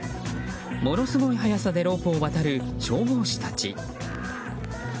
ものすごい速さでロープを渡る消防士たち。